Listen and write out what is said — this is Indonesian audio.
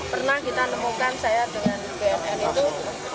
pernah kita nemukan saya dengan bnn itu